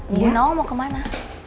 bu nawang mau ke mana